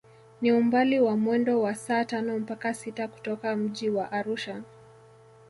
Ni umbali wa mwendo wa saa tano mpaka sita kutoka mji wa Arusha